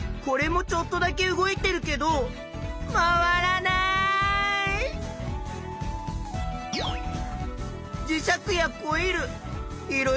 これもちょっとだけ動いてるけど回らない！